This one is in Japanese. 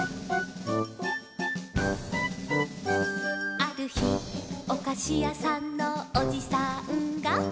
「あるひおかしやさんのおじさんが」